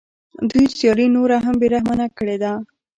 دوی سیالي نوره هم بې رحمانه کړې ده